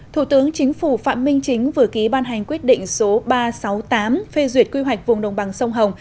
thủ tướng chính phủ phạm minh chính vừa ký ban hành quyết định số ba trăm sáu mươi tám phê duyệt quy hoạch vùng đồng bằng sông hồng